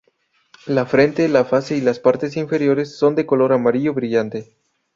La frente, la face y las partes inferiores son de color amarillo brillante.